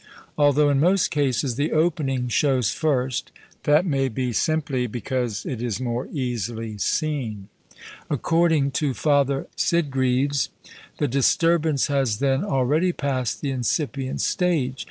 Although, in most cases, the "opening" shows first, that may be simply because it is more easily seen. According to Father Sidgreaves, the disturbance has then already passed the incipient stage.